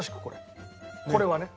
これはね。